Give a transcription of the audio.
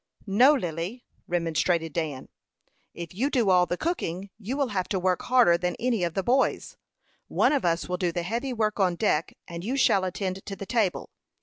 "No, Lily," remonstrated Dan. "If you do all the cooking, you will have to work harder than any of the boys. One of us will do the heavy work on deck, and you shall attend to the table.